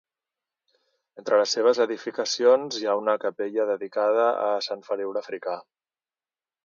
Entre les seves edificacions hi ha una capella dedicada a Sant Feliu l'Africà.